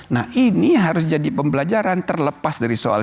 nah ini harus jadi pembelajaran terlepas dari soal